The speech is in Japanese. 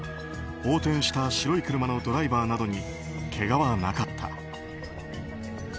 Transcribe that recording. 横転した白い車のドライバーなどにけがはなかった。